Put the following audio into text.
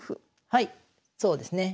はいそうですね。